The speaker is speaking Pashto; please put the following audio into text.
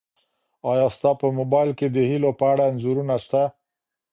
ایا ستا په موبایل کي د هیلو په اړه انځورونه سته؟